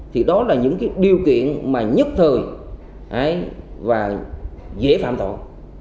thì đó là những cái điều kiện mà nhất thời và dễ phạm tội